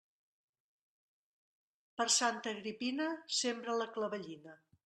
Per Santa Agripina sembra la clavellina.